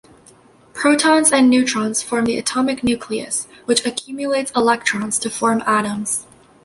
Protons and neutrons form the atomic nucleus, which accumulates electrons to form atoms.